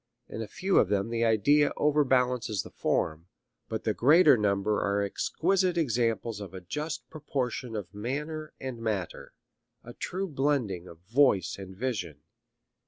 In a few of them the idea overbalances the form, but the greater number are exquisite examples of a just proportion of manner and matter, a true blending of voice and vision.